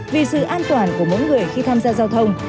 vì sự an toàn của mỗi người khi tham gia giao thông